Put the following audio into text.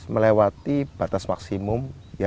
melewati batas maksimum